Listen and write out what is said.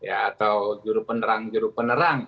atau juru penerang juru penerang